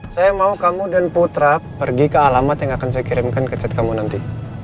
saya mau kamu dan putra pergi ke alamat yang akan saya kirimkan ke chat kamu nanti